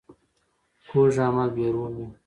کوږ عمل بې روح وي